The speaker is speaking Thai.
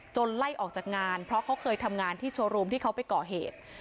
ไล่ออกจากงานเพราะเขาเคยทำงานที่โชว์รูมที่เขาไปก่อเหตุ